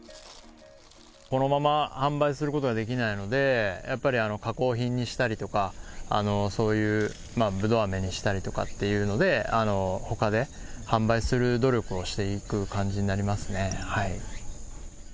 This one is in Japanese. このまま販売することはできないので、やっぱり加工品にしたりとか、そういうまあ、ブドウあめにしたりとかっていうので、ほかで販売する努力をしていく感じになりますね。